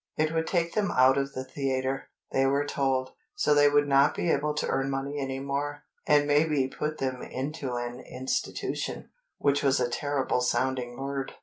It would take them out of the theatre, they were told, so they would not be able to earn money any more, and maybe put them into an "Institution," which was a terrible sounding word.